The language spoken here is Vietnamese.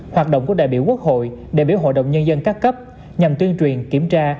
hoạt động của đại biểu quốc hội đại biểu hội đồng nhân dân các cấp nhằm tuyên truyền kiểm tra